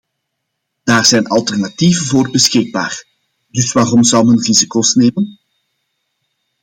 Daar zijn alternatieven voor beschikbaar, dus waarom zou men risico's nemen?